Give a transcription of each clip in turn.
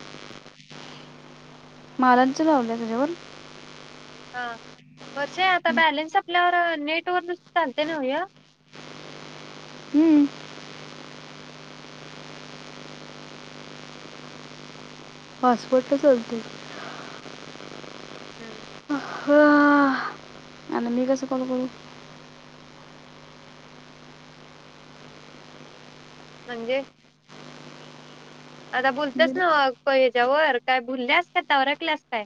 [unintelligible] मालांचं लावलं तुझ्यावर. हा. वर्षा आता बॅलेन्स संपल्यावर नेट तर नुसतं चालतंय नव य? हूं. पासपोर्टला चालतंय. हम्. आ आनंदी कसं कॉल करू? म्हणजे? आता बुलत्यास मी न्हवं जवर काय भुलल्यास काय, तवरकल्यास काय?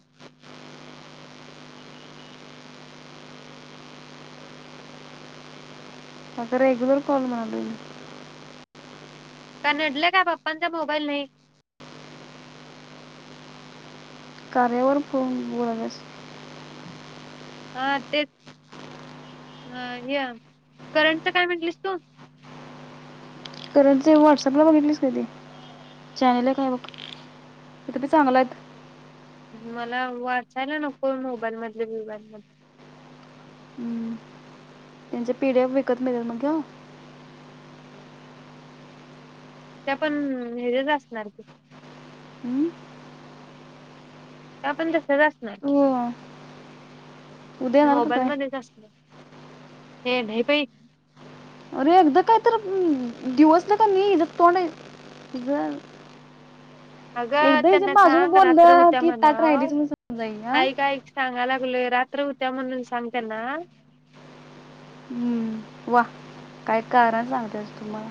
आता रेगुलर कॉल म्हणालूय मी. का नडलाय का, पप्पांचा मोबाईल नही. कार्यावर फोनवर हायस. हा तेच, अ ह्या करंटच काय म्हटलीस तू? कारण ते व्हॉट्सअपला बघितलीस का ती. चॅनेल एक हाय बघ, तिथं भी चांगल हायत. मला वाचायला नको मोबाईल मधल बीबाईल मधलं. त्यांच्या पिढ्याव विकत मिळलं मग घेऊ? त्या पण हेज्याचं असणार की. हम्म. ह्या पण तसेच असणार की. तू उद्या येणार का मोबाईल काय मध्येच असतं. ये नाही बाई. अरे एकदां काय तर डिवचलं क नई हिज तोंड जर अगं त्यांना सांग रात्र बोललं हुत्या की ताट राहिलीच म्हणाव, म्हणून समजाई हा आईक आईक सांगायला लई रात्र हूत्या म्हणून सांग त्यांना. हम्म, वा! काय कारण सांगत्यास तु मला.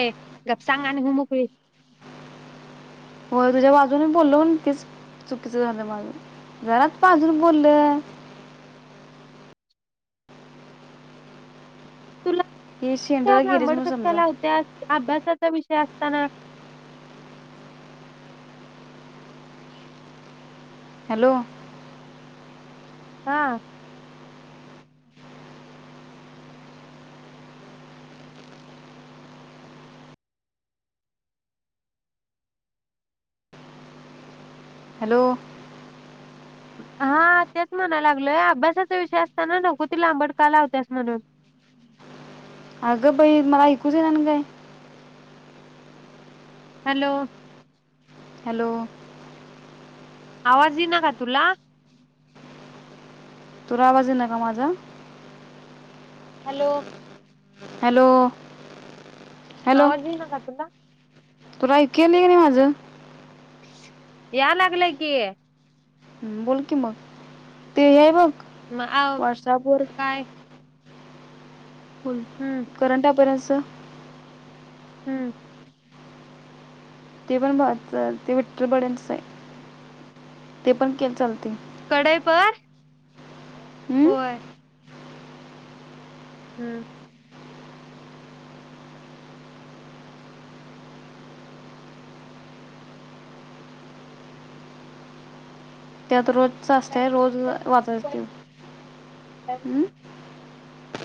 ए गप सांग आणि आणि हु मोकळी. होय तुझ्या बाजून बोलून तीच चुकीचं झालं माझ जरात बाजून बोललं तुला हे शेंड्याला त्यावर गेलीस लांबड म्हणून कशाला समजा लावत्यास अभ्यास त्याचा विषय असताना हॅलो हा हॅलो, हा तेच म्हणा लागलोय अभ्यासाचा विषय असताना नकु ती लांबडका लावतस म्हणून. आगं बई मला ऐकूच ये ना म्हणलं. Hello, hello. आवाज ये ना का तुला? तुला आवाज ना का माझा? हॅलो, हॅलो, हॅलो आवाज येना का तुला? तुला ऐकेली नि माझं. या लागलंय की, बोल की मग ते हे बघ. मग आव, व्हॉट्सॲपवर काय? हम्म करंट अफेअर्स. त्त हम्म. ते पण ब ते [unintelligible] विठट्टर बडच आहे ते पण के चालते. कडई पर हम्म होय. हम्म. त्यात रोज सतय रोज वाचाय ते हम्.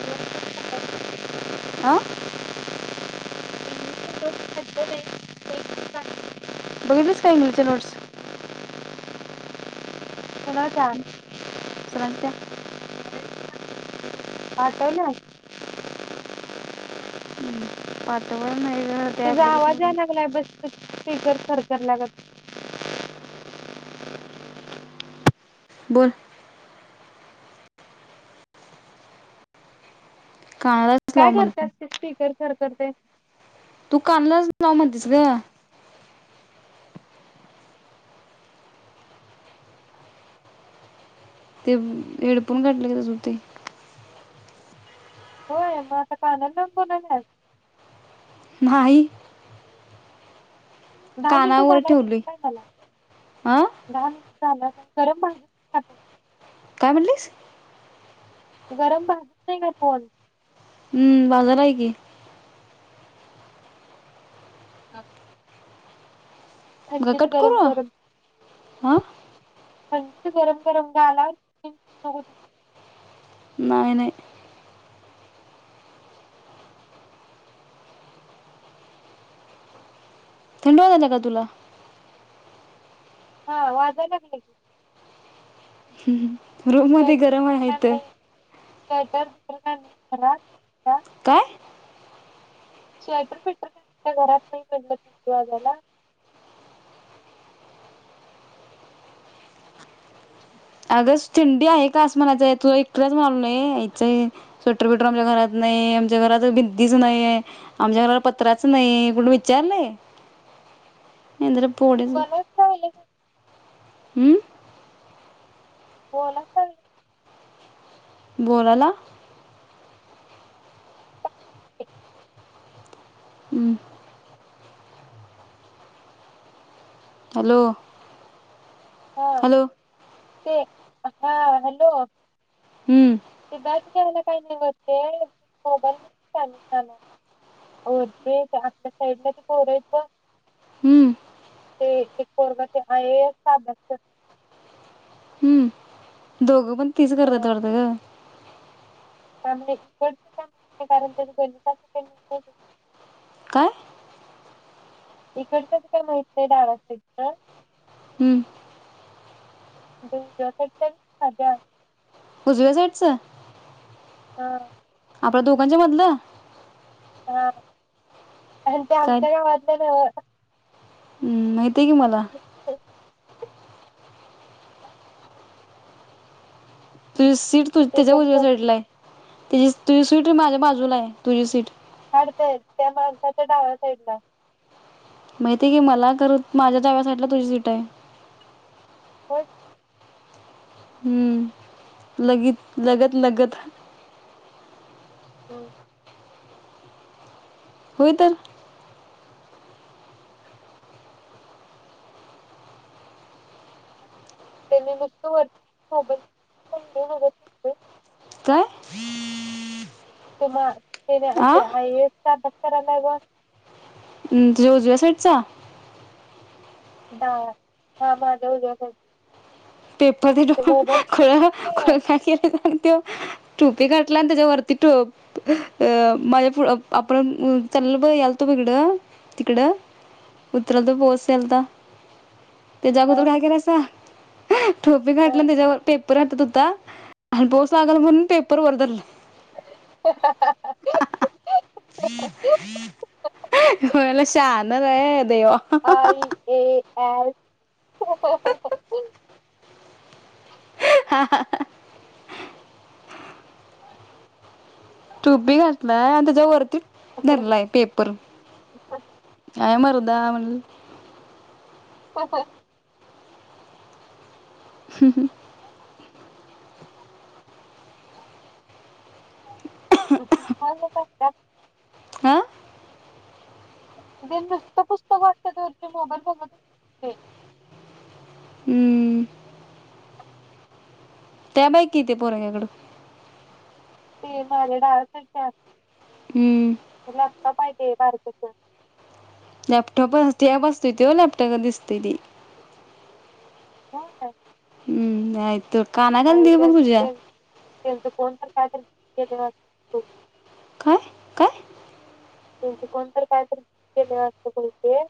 नक्कीच [unintelligible] आ. इंग्लिश रो [unintelligible] काढलो नाही काढ इंग्लिश नोट्स. कुणाच्या सरांच्या. आठव ना. पाटवळ. तुझा आवाज याय लागलाय बस. फीगर खरखर ल्यागत. बोल. कानालाच लाव काय करते म्हणते असते स्पीकर करते. करते. तू कानलाच जाव म्हणतेस ग. ते हेडफोन घातल की तस होतय. होय मग आता कानाला लाऊन बोलाल्यास. आई. दहा मिनिट झालाय ठेवलोय काय मला हां दहा मिनट. झा का गरम भाग [inaudible] काय म्हणलीस. गरम भाजतय का कोण. हम्म बाजार आहे की. [inaudible] थंडीत गरम गरम. आ. थंडीत गरम गरम गा आला नती [unintelligible] नाही नाही. थड वाजाल्याका तुला. हा वाजाय लागले की. [inaudible] रूम मध्ये स्वेटर गरम आहे त. तर दुसर काय नाही खला [inaudible] काय. श्टर पिटर त्या घरात नाही पडलं त वाजाला [inaudible] अगंच थंडी आहे का आसमानाच आहे तू इकडेच माल नाही स्वेटर बटर आमच्या घरात नाही आमच्या घरात भिंतीच नाही आमच्या घरात पत्राच नाही कोणी विचारल ये. एंदर पडच बोलायच लागले हमं [unintelligible] बोला ताई. बोलाला. हम्म. हॅलो. हा हॅलो ते हा हॅलो. हम्. ला काही नाहीवते मोबल कामा [inaudible] ओरते आपल्या साईडला त कोरायच हम्म [inaudible] ते एक. वर्गाचे आहे सात-आठ जण हम्म दोघ पण. तीच करत दरद का [unintelligible] का मले इकडच का कारण त्या गणित [inaudible] काय इकडचंच काय माहित नाही डाव्या साईडच हम्म. [unintelligible] उजव्या साईडचं हा. आपल्या दोघांच्या मधलं हा. आणि ते काय आमच्या गावातल न्हवं. हम्म नहीत ते गे मला तुझी सीट तु ते तुज्या पण उजव्या कर साइडलाय तुजी [unintelligible] टीट माझ्या बाजूलाय तुझी सीट च डाव्या साईडला माहिते की मला, खर माझ्या डाव्या साईटला तुझी सीट हाय. [unintelligible] हम्म लगीत लगत लगत [unintelligible] होय तर त्येनी नुसत वरती [unintelligible] काय? कुमार तेनी आ [unintelligible] आय ए एस चा [unintelligible] कर नाय गं उ तुज्या उजव्या साईटचा डावा, हा माझ्या उजव्या साईड पेपर [unintelligible] खुळं नाही खुळ काय [unintelligible] त्यो टोपी घातला आणि त्याच्या वरती टोप, अ माझ्या फु अ आपण उ चाललेल बघ यालतो बग हिकडं, तिकडं उतरालतो पाऊस यालता. त्येज्या अगोदर हा काय केला सा [unintelligible] ठोपी घातला आणि हा. त्याच्यावर ते त्यो राहतत हुता आणि पाऊस लागला म्हणून पेपर वर धरल होयल शान नई [unintelligible] देवा आय [inaudible] टूपी घातलाय आणि त्येज्या वरती धरलाय पेपर आय मर दहा म्हण [inaudible] [inaudible] [unintelligible] करत्यात आ? [unintelligible] नुसत पुस्तक वाचत्यात वरचे मोबाईल बघत नाहीत ते हम्म. टॅब हाय की ते पोरंग्याकडं. ते माझ्या डाव्या साईड हम्म. लॅपटॉप आहे ते बारकस. लॅपटॉप अस टॅब असतोय त्यो लॅपटॉपगत दिसतंय ती. होय काय? हम्म [unintelligible] घालून काय दे [unintelligible] बघ तुझ्या त्यांचं कोण तर काय तर [unintelligible] काय, काय? त्यांच कोणतरी काहीतरी केले असतंय म्हण ते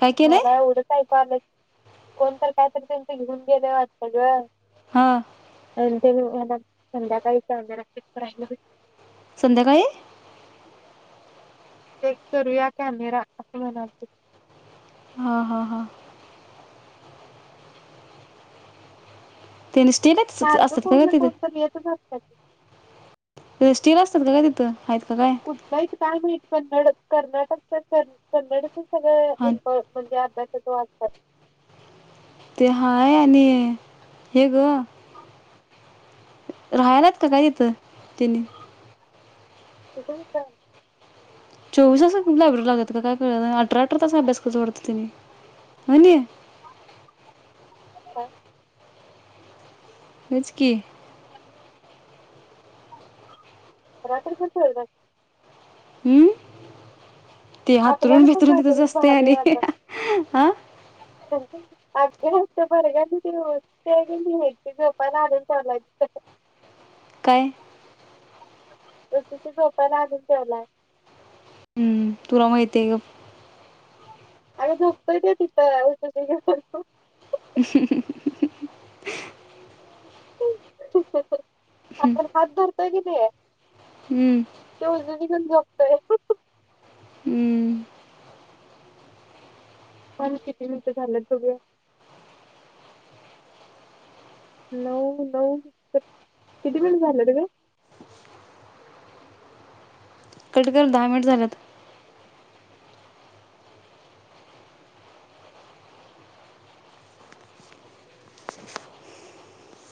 काय केलंय मला एवढंच ऐकू आलं कोणत काहीतरी त्यांच घेऊन गेलंय वाटत गं. हा. [unintelligible] मला संध्याकाळी काम [unintelligible] संध्याकाळी चेक करूया कॅमेरा असं म्हणालते. हा, हा, हा. त्याने स्टील सारखं असतात का कोण का ना तिथं कोणतं येतंच असत्यात. स्टील असतात का काय तिथं हायत कुठं हाईत काय माहित कन्नड कर्नाटक तर कन्नडच सगळ हा म्हणजे अभ्यासाच वात ते हाय आणि हे ग राहायला हायत का काय तिथं तेनी? [unintelligible] चोवीस तास लायब्ररी लागत का काय कळना. अठरा, अठरा तास अभ्यास करतात वाटत तेनी. होय नई? [unintelligible] होयच की रात्री कस गेलतात? अं? ती हातरून आपल्याला पण बिथरून तिथंच रात्रीची असतंय भारी आणि अभ्यास आ जास्त [unintelligible] झोपायला अजुन [unintelligible] काय? [unintelligible] झोपायला आणून द्यायलायं. हम्म. तुला माहितीये गप अरे झोपतोय काय तिथं [unintelligible] हम हम हम हम. ् ठीक आपण हातधरतय क [unintelligible] हम्म ते [unintelligible] होय हु हु हु. हम्म. पण किती मिनिट झालेत बघूया? नऊ नऊ किती मिनट झालेत ग? कट कर दहा मिनिट झाल्यात.